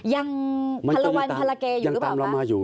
ยังพันละวันพันละเกย์อยู่หรือเปล่ายังตามเรามาอยู่